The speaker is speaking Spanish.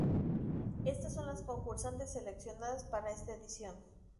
Estas son las concursantes seleccionadas para esta edición.